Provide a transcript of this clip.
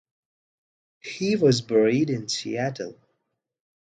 He was buried in Seattle.